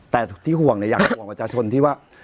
แต่อย่างห่วงประชาชนที่ว่า